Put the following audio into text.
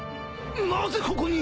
なぜここに！？